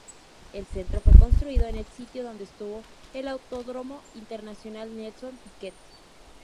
El centro fue construido en el sitio donde estuvo el Autódromo Internacional Nelson Piquet.